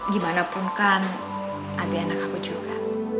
gimanapun kan abi anak aku juga